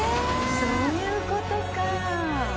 そういうことか。